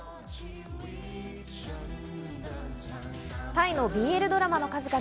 タイのＢＬドラマの数々。